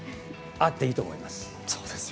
あっていいと思います。